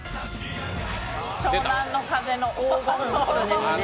湘南乃風の「黄金魂」ですね。